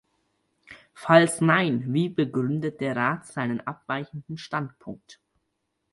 Falls nein, wie begründet der Rat seinen abweichenden Standpunkt?